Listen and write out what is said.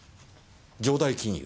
城代金融？